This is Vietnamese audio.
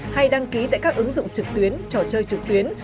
hay đăng ký tại các ứng dụng trực tuyến trò chơi trực tuyến